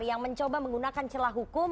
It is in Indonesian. yang mencoba menggunakan celah hukum